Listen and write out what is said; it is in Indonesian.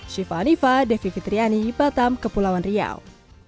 syifa nifa devi fitriani batam kepulauan riau